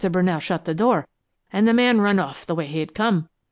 Brunell shut the door an' the man ran off the way he had come.